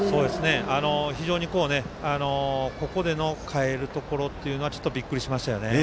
非常に、ここで代えるところというのはちょっとびっくりしましたよね。